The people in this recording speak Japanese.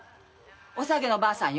「おさげのばあさん」よ